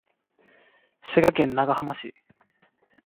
滋賀県長浜市